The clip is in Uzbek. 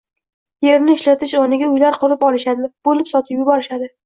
«Yerni ishlatish o‘rniga uylar qurib olishadi, bo‘lib sotib yuborishadi».